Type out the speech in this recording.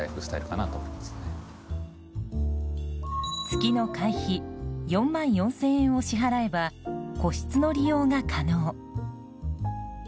月の会費４万４０００円を支払えば個室の利用が可能。